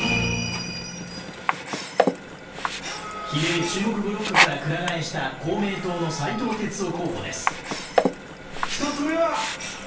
比例中国ブロックからくら替えした公明党の斉藤鉄夫候補です